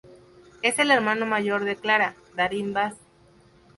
Es el hermano mayor de Clara Darín Bas.